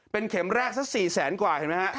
เป็นเข็มแรกซะ๔๐๐๐๐๐กว่าเห็นไหมฮะ